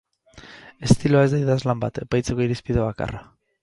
Estiloa ez da idazlan bat epaitzeko irizpide bakarra.